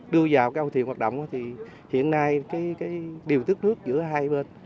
đưa vào cái âu thuyền hoạt động thì hiện nay điều tiết nước giữa hai bên